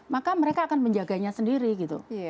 maka mereka akan menjaganya sendiri gitu